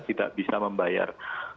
tidak bisa membayar